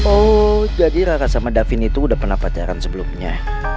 oh jadi raka sama davin itu udah pernah pacaran sebelumnya